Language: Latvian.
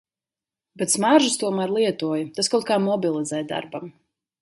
Bet smaržas tomēr lietoju - tas kaut kā mobilizē darbam.